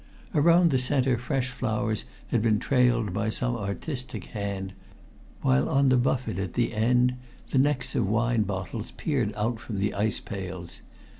Around the center fresh flowers had been trailed by some artistic hand, while on the buffet at the end the necks of wine bottles peered out from the ice pails.